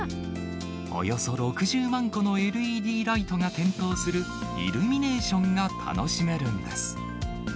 およそ６０万個のＬＥＤライトが点灯するイルミネーションが楽しめるんです。